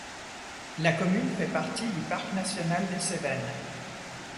La commune fait partie du parc national des Cévennes.